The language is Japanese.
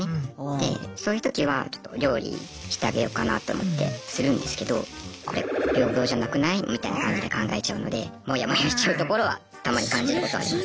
でそういう時はちょっと料理してあげようかなと思ってするんですけどみたいな感じで考えちゃうのでモヤモヤしちゃうところはたまに感じることありますね。